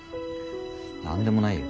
何でもないよ。